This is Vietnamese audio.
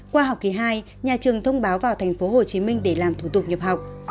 qua học kỳ hai nhà trường thông báo vào thành phố hồ chí minh để làm thủ tục nhập học